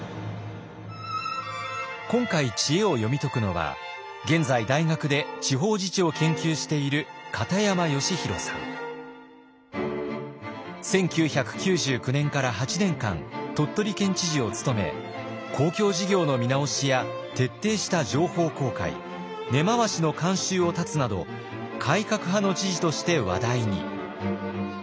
今回知恵を読み解くのは現在大学で地方自治を研究している１９９９年から８年間鳥取県知事を務め公共事業の見直しや徹底した情報公開根回しの慣習を断つなど改革派の知事として話題に。